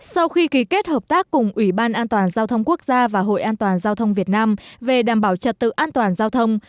sau khi ký kết hợp tác cùng ủy ban an toàn giao thông quốc gia và hội an toàn giao thông việt nam về đảm bảo trật tự an toàn giao thông